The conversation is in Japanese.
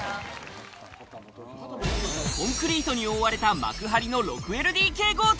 コンクリートに覆われた幕張の６ＬＤＫ豪邸。